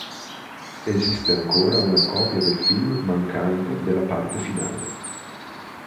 Esiste ancora una copia del film mancante della parte finale.